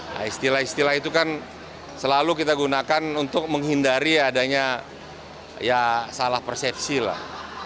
nah istilah istilah itu kan selalu kita gunakan untuk menghindari adanya ya salah persepsi lah